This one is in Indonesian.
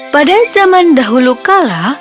pada zaman dahulu kala